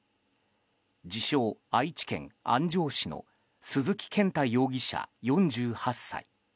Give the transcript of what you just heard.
自称・愛知県安城市の鈴木健太容疑者、４８歳。